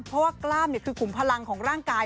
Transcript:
เพราะว่ากล้ามคือขุมพลังของร่างกาย